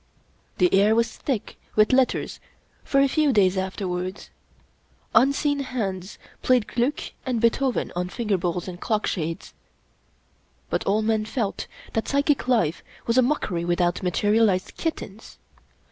The air was thick with letters for a few days afterwards. Unseen hands played Gliick and Beethoven on finger bowls and clock shades; but all men felt that psychic life was a mockery without materialized kittens.